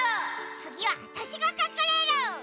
つぎはわたしがかくれる！